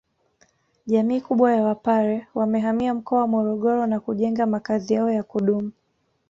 Jamii kubwa ya wapare wamehamia mkoa wa Morogoro na kujenga makazi yao yakudumu